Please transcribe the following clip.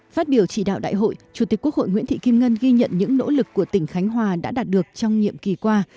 phát biểu chỉ đạo đại hội chủ tịch quốc hội nguyễn thị kim ngân ghi nhận những nỗ lực của tỉnh khánh hòa đã đạt được trong nhiệm kỳ qua